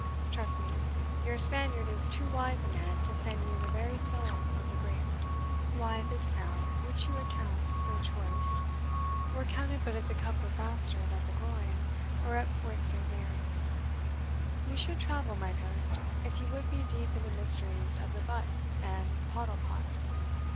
Trust me, your Spaniard is too wise a man to send you the very soul of the grape. Why, this now, which you account so choice, were counted but as a cup of bastard at the Groyne, or at Port St. Mary's. You should travel, mine host, if you would be deep in the mysteries of the butt and pottle pot."